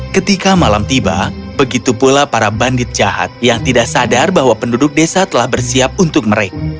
ketika malam tiba begitu pula para bandit jahat yang tidak sadar bahwa penduduk desa telah bersiap untuk mereka